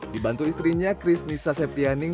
dibantu istrinya kris misa septianing